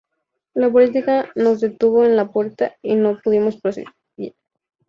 La policía nos detuvo en la puerta y no pudimos proseguir".